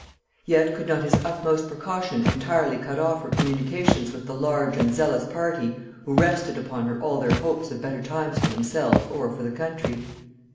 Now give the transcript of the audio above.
Yet could not his utmost precaution entirely cut off her communications with the large and zealous party who rested upon her all their hopes of better times for themselves or for the country.